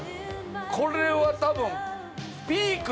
これは多分。